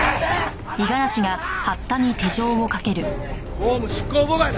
公務執行妨害だ！